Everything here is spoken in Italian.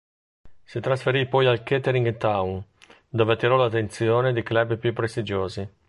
Si trasferì poi al Kettering Town, dove attirò l'attenzione di club più prestigiosi.